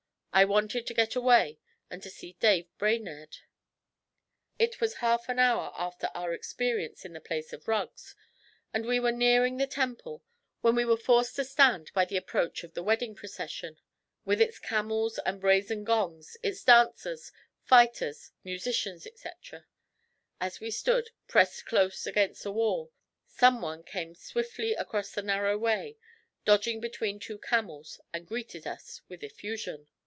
I wanted to get away and to see Dave Brainerd. It was half an hour after our experience in the place of rugs, and we were nearing the Temple, when we were forced to a stand by the approach of the wedding procession, with its camels and brazen gongs, its dancers, fighters, musicians, etc. As we stood, pressed close against a wall, someone came swiftly across the narrow way, dodging between two camels, and greeted us with effusion.